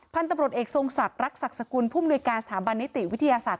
พันธบรรดเอกทรงศักดิ์รักษกษกุลภูมิโดยการสถาบันนิติวิทยาศาสตร์